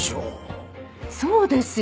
そうですよ。